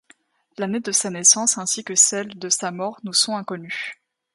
L'année de sa naissance ainsi que celle de sa mort nous sont inconnues.